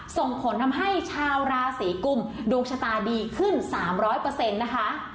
ส่งผลทำให้ชาวราศีกุมดวงชะตาดีขึ้น๓๐๐นะคะ